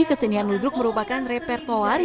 kesenian ludruk merupakan repertoar